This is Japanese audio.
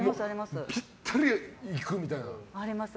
ぴったりいくみたいな？あります。